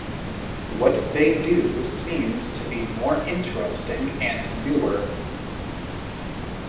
What they do seems to be more interesting and newer.